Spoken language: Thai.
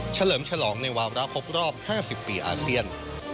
เลิมฉลองในวาระครบรอบ๕๐ปีอาเซียน